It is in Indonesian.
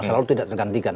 selalu tidak tergantikan